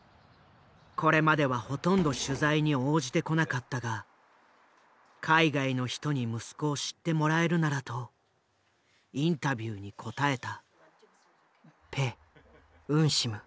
これまではほとんど取材に応じてこなかったが海外の人に息子を知ってもらえるならとインタビューに応えた。